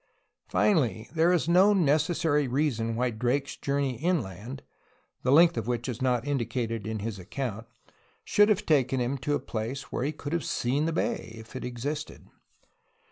Finally, there is no necessary reason why Drake's journey inland (the length of which is not indicated in his account) should have taken him to a place where he could have seen the bay if it existed.